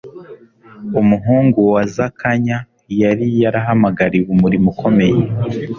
Umuhungu wa Zakanya yari yarahamagariwe umurimo ukomeye,